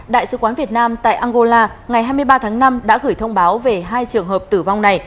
đại sứ quán việt nam tại angola ngày hai mươi ba tháng năm đã gửi thông báo về hai trường hợp tử vong này